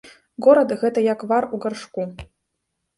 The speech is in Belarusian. Горад, гэта як вар у гаршку.